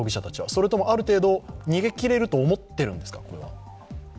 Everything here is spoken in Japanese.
それともある程度逃げきれると思っているんですか。